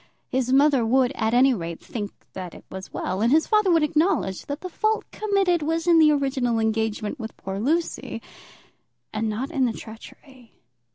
His mother would, at any rate, think that it was well, and his father would acknowledge that the fault committed was in the original engagement with poor Lucy, and not in the treachery.